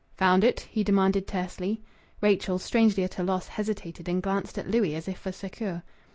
"Found it?" he demanded tersely. Rachel, strangely at a loss, hesitated and glanced at Louis as if for succour.